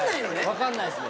分かんないっすね。